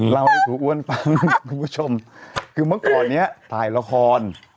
เล่าให้ครูอ้วนฟังคุณผู้ชมคือเมื่อก่อนนี้ถ่ายละคร